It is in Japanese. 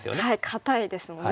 堅いですもんね。